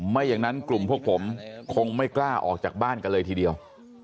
ไม่อย่างนั้นกลุ่มพวกผมคงไม่กล้าออกจากบ้านกันเลยทีเดียว